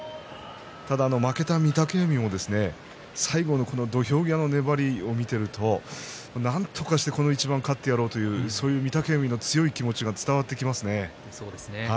負けた御嶽海も最後の土俵際の粘りを見ているとなんとかして、この一番勝ってやろうというそういう御嶽海の強い気持ちが伝わってきますよね。